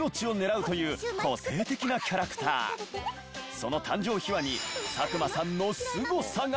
その誕生秘話に佐久間さんのスゴさが！